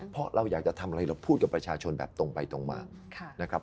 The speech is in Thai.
เพราะเราอยากจะทำอะไรเราพูดกับประชาชนแบบตรงไปตรงมานะครับ